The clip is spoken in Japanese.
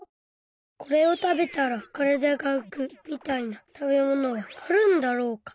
これをたべたら体がうくみたいな食べ物はあるんだろうか。